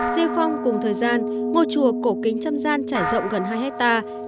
di phong cùng thời gian ngôi chùa cổ kính trăm gian trải rộng gần hai hectare